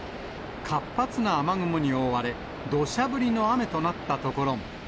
活発な雨雲に覆われ、どしゃ降りの雨となった所も。